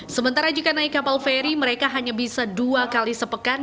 sementara jika naik kapal feri mereka hanya bisa dua kali sepekan